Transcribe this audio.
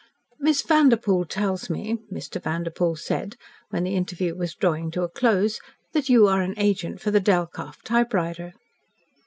"Miss Vanderpoel tells me," Mr. Vanderpoel said, when the interview was drawing to a close, "that you are an agent for the Delkoff typewriter."